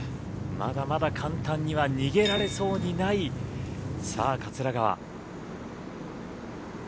まだまだ簡単には逃げられそうにないさあ、桂川。